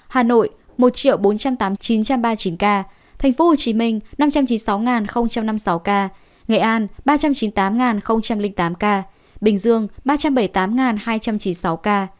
hà nội một bốn trăm tám mươi chín trăm ba mươi chín ca tp hcm năm trăm chín mươi sáu năm mươi sáu ca nghệ an ba trăm chín mươi tám tám ca bình dương ba trăm bảy mươi tám hai trăm chín mươi sáu ca